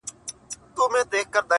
چي ناحقه پردي جنگ ته ورگډېږي -